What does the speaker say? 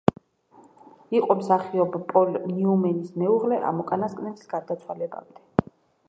იყო მსახიობ პოლ ნიუმენის მეუღლე ამ უკანასკნელის გარდაცვალებამდე.